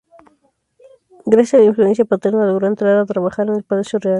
Gracias a la influencia paterna logró entrar a trabajar en el palacio real.